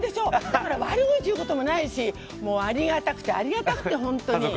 だから悪口言うこともないしありがたくて、ありがたくて。